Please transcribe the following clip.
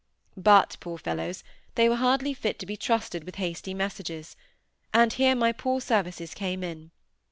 But, poor fellows, they were hardly fit to be trusted with hasty messages, and here my poor services came in.